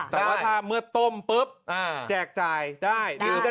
แต่ว่าถ้าเมื่อต้มปุ๊บแจกจ่ายได้